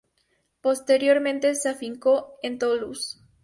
Posteriormente se afincó en Toulouse.